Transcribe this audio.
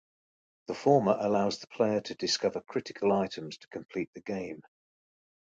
The former allows the player to discover critical items to complete the game.